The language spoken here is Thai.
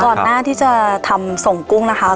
หน้าที่จะทำส่งกุ้งนะคะ